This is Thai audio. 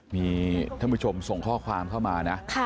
มีท่านผู้ชมส่งข้อความเข้ามานะ